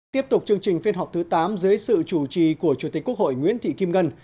tiếp tục chương trình phiên họp thứ tám dưới sự chủ trì của chủ tịch quốc hội nguyễn thị kim ngân